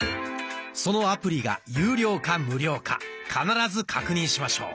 そのアプリが有料か無料か必ず確認しましょう。